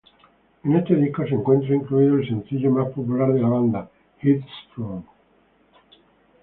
En este disco se encuentra incluido el sencillo más popular de la banda Headstrong.